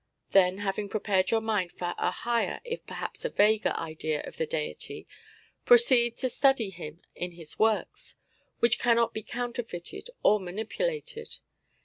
Then having prepared your mind for a higher (if perhaps a vaguer) idea of the Deity, proceed to study Him in His works, which cannot be counterfeited or manipulated.